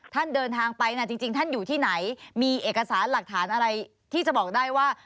เดินทางไปจริงท่านอยู่ที่ไหนมีเอกสารหลักฐานอะไรที่จะบอกได้ว่า